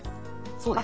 そうです。